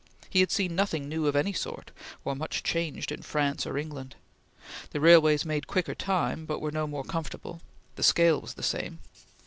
He had seen nothing new of any sort, or much changed in France or England. The railways made quicker time, but were no more comfortable. The scale was the same.